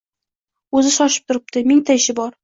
O’zi shoshib turibdi: mingta ishi bor!